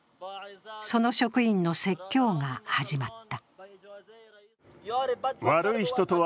その職員の説教が始まった。